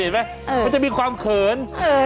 มันจะมีความเขิน